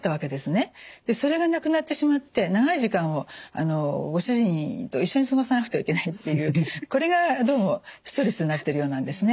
それがなくなってしまって長い時間をご主人と一緒に過ごさなくてはいけないというこれがどうもストレスになってるようなんですね。